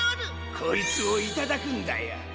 こいつをいただくんだよ。